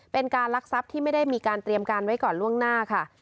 เป็นการลักทรัพย์ที่ไม่ได้มีการเตรียมการไว้ก่อนล่วงหน้าค่ะ